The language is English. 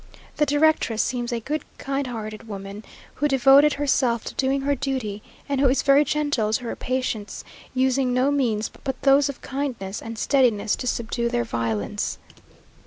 The directress seems a good kind hearted woman, who devoted herself to doing her duty, and who is very gentle to her patients; using no means but those of kindness and steadiness to subdue their violence.